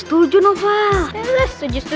belom di plays